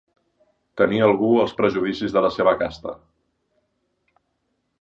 Tenir algú els prejudicis de la seva casta.